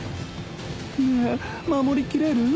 ねえ守りきれる？